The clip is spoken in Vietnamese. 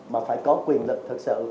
mà phải có quyền lực thực sự